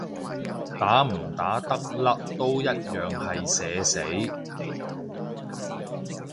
打唔打得甩都一樣係社死